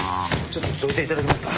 ちょっとどいていただけますか？